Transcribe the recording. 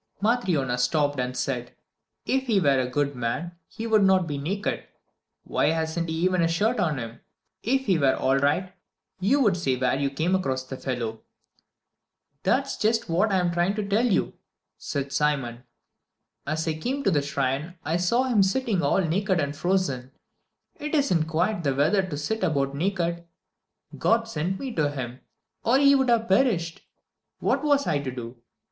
IV Matryona stopped and said: "If he were a good man he would not be naked. Why, he hasn't even a shirt on him. If he were all right, you would say where you came across the fellow." "That's just what I am trying to tell you," said Simon. "As I came to the shrine I saw him sitting all naked and frozen. It isn't quite the weather to sit about naked! God sent me to him, or he would have perished. What was I to do?